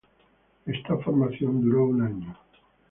Esta formación duró un año.